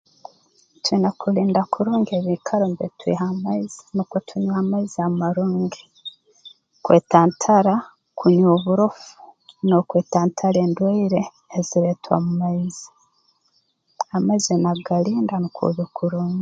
Twina kulinda kurungi ebiikaro mbere twiha amaizi nukwo tunywe amaizi amarungi kwetantara kunywa oburufu n'okwetantara endwaire eziretwa mu maizi amaizi oine kugalinda nukwo obe kurungi